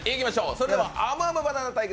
それではあむあむバナナ対決！